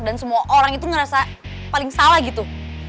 dan semua orang itu ngerasa paling salah gitu